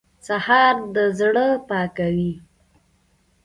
سهار د زړه پاکوي.